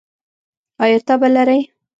ایا تبه لرئ؟